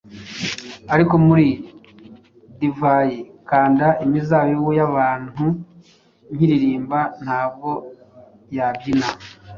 Ariko Muri Divayi-Kanda Imizabibu Yabantu Ntiririmba Ntabwo Yabyina